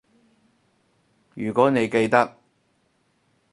如果你記得